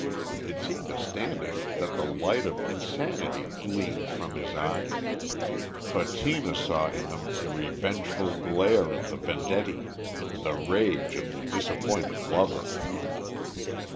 It seemed to Standish that the light of insanity gleamed from his eyes, but Tina saw in them the revengeful glare of the vendetti; the rage of the disappointed lover.